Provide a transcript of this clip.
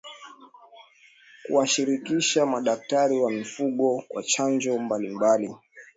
Kuwashirikisha madaktari wa mifugo kwa chanjo mbali mbali